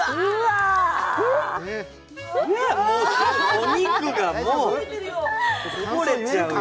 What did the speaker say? お肉がもうこぼれちゃうよ。